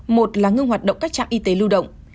một là ngưng hoạt động các trạm y tế lưu động